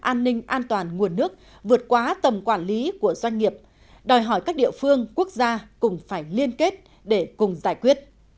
an ninh an toàn nguồn nước vượt quá tầm quản lý của doanh nghiệp đòi hỏi các địa phương quốc gia cùng phải liên kết để cùng giải quyết